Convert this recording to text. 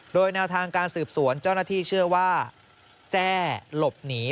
โดยแนวทางการสืบสวนเจ้าหน้าที่เชื่อว่าแจ้หลบหนี